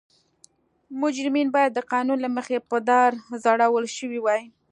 مجرمین باید د قانون له مخې په دار ځړول شوي وای.